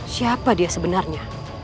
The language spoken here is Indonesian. siapa dia sebenarnya